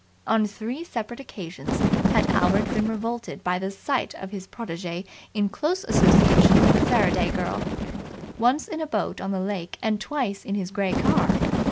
On three separate occasions had Albert been revolted by the sight of his protege in close association with the Faraday girl once in a boat on the lake and twice in his grey car.